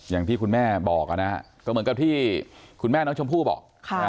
อย่างที่คุณแม่บอกนะฮะก็เหมือนกับที่คุณแม่น้องชมพู่บอก